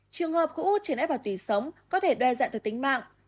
trường hợp khối u trên ép bào tùy sống có thể đo dạng từ tính mạng